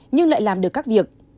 nhưng lại làm được các việc